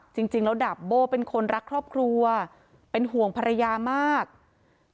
จริงจริงฮะเขาไม่รู้ไงเขาไม่ได้